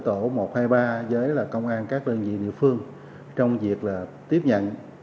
tổ một trăm hai mươi ba với công an các đơn vị địa phương trong việc là tiếp nhận